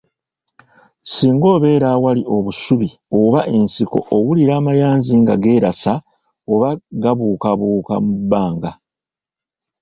Singa obeera awali obusubi oba ensiko owulira amayanzi nga geerasa obanga gabuukabuuka mu bbanga.